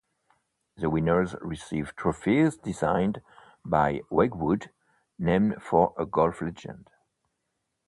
The winners receive trophies designed by Wedgwood named for a golf legend.